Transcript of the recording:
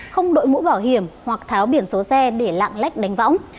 không đội mũ bảo hiểm hoặc tháo biển số xe để lạng lách đánh võng